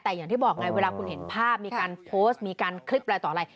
แต่อย่างที่บอกไงเวลาคุณเห็นภาพมีการโพสต์มีการคลิปอะไรต่ออะไร